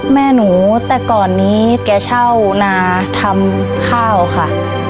แม่หนูแต่ก่อนนี้แกเช่านาทำข้าวค่ะ